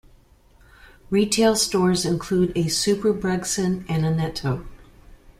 Retail stores include a SuperBrugsen and a Netto.